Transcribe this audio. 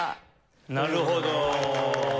なるほど。